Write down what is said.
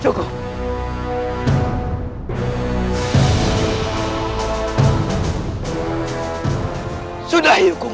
seranganku semakin kuat